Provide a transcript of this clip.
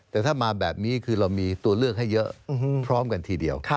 แต่ถ้ามาแบบนี้คือเรามีตัวเลือกให้เยอะพร้อมกันทีเดียว